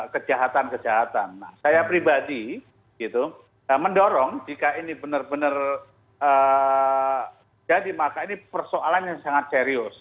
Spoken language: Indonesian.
kejahatan kejahatan nah saya pribadi mendorong jika ini benar benar jadi maka ini persoalan yang sangat serius